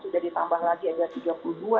sudah ditambah lagi ada tiga puluh dua dan sebagainya